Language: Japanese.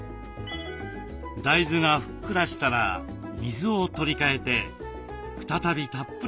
大豆がふっくらしたら水を取り替えて再びたっぷりの水で煮ます。